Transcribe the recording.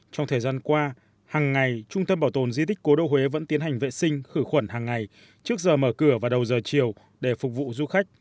trong thời gian qua hằng ngày trung tâm bảo tồn di tích cố đô huế vẫn tiến hành vệ sinh khử khuẩn hàng ngày trước giờ mở cửa và đầu giờ chiều để phục vụ du khách